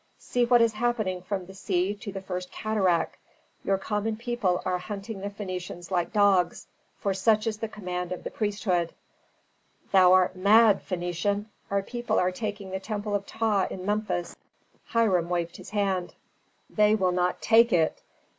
See what is happening from the sea to the First Cataract: your common people are hunting the Phœnicians like dogs, for such is the command of the priesthood." "Thou art mad, Phœnician! Our people are taking the temple of Ptah in Memphis." Hiram waved his hand. "They will not take it!